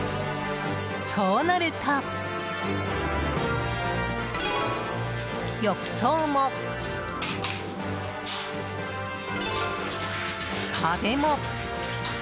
そうなると、浴槽も、壁も。